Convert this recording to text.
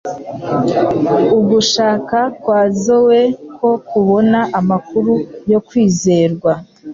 Ugushaka kwa Zoe ko kubona amakuru yo kwizerwa